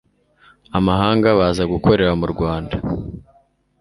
amahanga baza gukorera mu rwanda